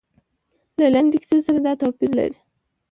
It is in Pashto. له لنډې کیسې سره دا توپیر لري.